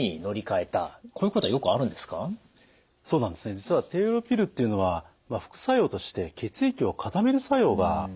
実は低用量ピルっていうのは副作用として血液を固める作用があるんですね。